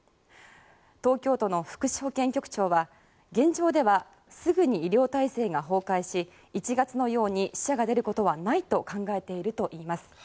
東京都の福祉保健局長は現状ではすぐに医療体制が崩壊し１月のように死者が出ることはないと考えているといいます。